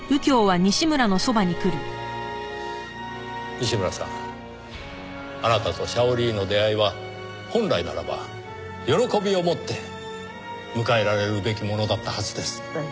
西村さんあなたとシャオリーの出会いは本来ならば喜びをもって迎えられるべきものだったはずです。